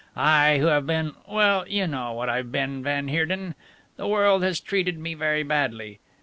I, who have been well, you know, what I've been, van Heerden. The world has treated me very badly.